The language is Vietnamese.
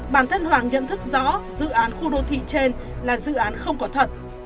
bản thân hoàng nhận thức rõ dự án khu đô thị trên là dự án không có thật